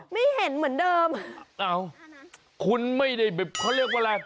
ไม่เห็นเหมือนเดิมอ้าวคุณไม่ได้แบบเขาเรียกว่าอะไร